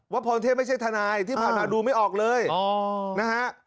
พรเทพไม่ใช่ทนายที่ผ่านมาดูไม่ออกเลยนะฮะ